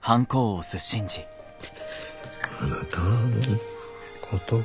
「あなたのことは」